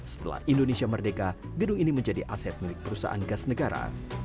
setelah indonesia merdeka gedung ini menjadi aset milik perusahaan gas negara